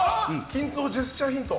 均三ジェスチャーヒント。